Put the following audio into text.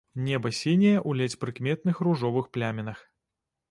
Неба сіняе ў ледзь прыкметных ружовых плямінах.